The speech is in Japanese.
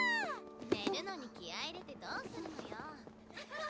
寝るのに気合い入れてどうするのよ。